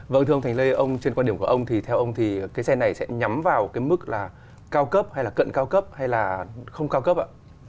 vâng thưa ông thành lê ông trên quan điểm của ông thì theo ông thì cái xe này sẽ nhắm vào cái mức là cao cấp hay là cận cao cấp hay là không cao cấp ạ